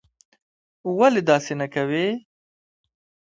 ولي داسې نه کوې?